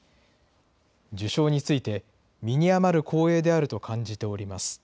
受章について、身に余る光栄であると感じております。